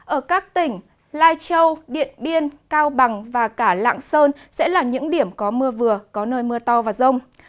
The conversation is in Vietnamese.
ở các tỉnh lai châu điện biên cao bằng và cả lạng sơn sẽ là những điểm có mưa vừa có nơi mưa to và rông